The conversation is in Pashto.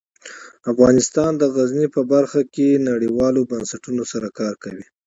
افغانستان د غزني په برخه کې نړیوالو بنسټونو سره کار کوي.